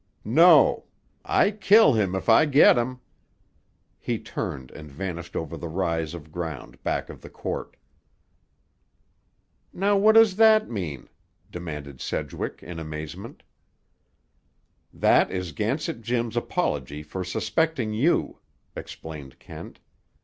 "No. I kill him if I get him!" He turned and vanished over the rise of ground back of the court. "Now what does that mean?" demanded Sedgwick in amazement. "That is Gansett Jim's apology for suspecting you," explained Kent.